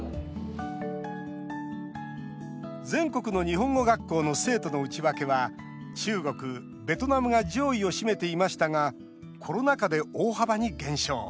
全国の日本語学校の生徒の内訳は中国、ベトナムが上位を占めていましたがコロナ禍で大幅に減少。